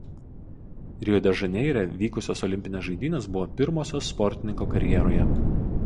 Rio de Žaneire vykusios olimpinės žaidynės buvo pirmosios sportininko karjeroje.